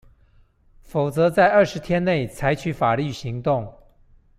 否則在二十天內採取法律行動